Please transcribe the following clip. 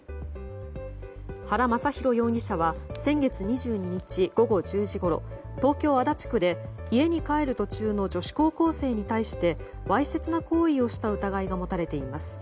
原将洋容疑者は先月２２日、午後１０時ごろ東京・足立区で、家に帰る途中の女子高校生に対してわいせつな行為をした疑いが持たれています。